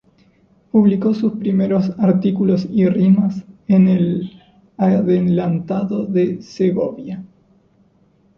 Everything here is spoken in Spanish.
Publicó sus primeros artículos y rimas en "El Adelantado de Segovia".